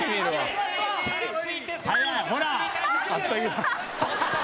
ほら！